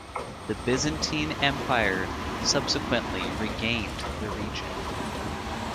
The Byzantine Empire subsequently regained the region.